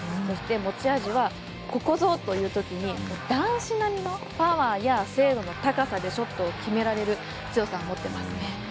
そして持ち味はここぞというときに男子並みのパワーや精度の高さでショットを決められる強さを持っていますね。